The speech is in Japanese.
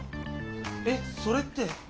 えっそれって。